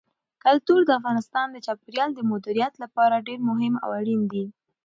کلتور د افغانستان د چاپیریال د مدیریت لپاره ډېر مهم او اړین دي.